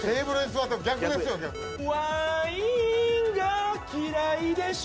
ワインが嫌いでしょ